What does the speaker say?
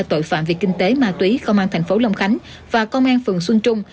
tội phạm việc kinh tế ma túy công an thành phố lòng khánh và công an phường xuân trung